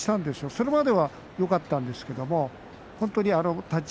それまではよかったんですけどね。